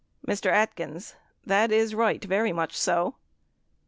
462 Mr. Atkins. That is right, very much so.